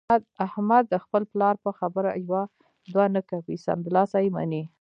احمد د خپل پلار په خبره کې یوه دوه نه کوي، سمدلاسه یې مني.